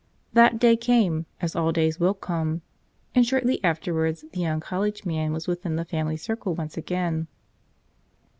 That day came, as all days will come, and shortly afterwards the' young college man was within the family circle once again.